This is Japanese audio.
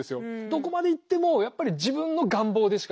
どこまでいってもやっぱり自分の願望でしかなくて。